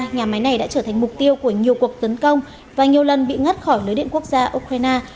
nhà máy này đã trở thành mục tiêu của nhiều cuộc tấn công và nhiều lần bị ngắt khỏi lưới điện quốc gia ukraine